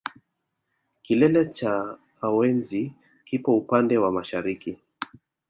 Kilele cha awenzi kipo upande wa mashariki